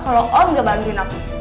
kalau om gak bangunin aku